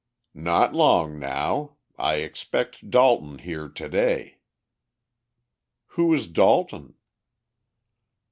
"Not long now. I expect Dalton here today." "Who is Dalton?"